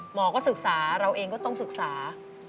หมอก็ศึกษาเราเองก็ต้องศึกษา